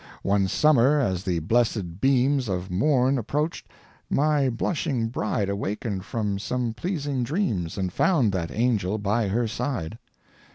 One summer, as the blessed beams Of morn approached, my blushing bride Awakened from some pleasing dreams And found that angel by her side.